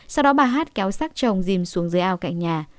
sau đó bà hát kéo sát chồng dìm xuống dưới ao cạnh nhà